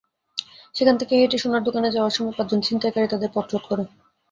সেখানে থেকে হেঁটে সোনার দোকানে যাওয়ার সময় পাঁচজন ছিনতাইকারী তাঁদের পথরোধ করে।